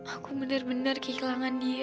aku bener bener kehilangan dia